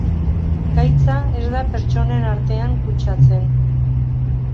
Gaitza ez da pertsonen artean kutsatzen.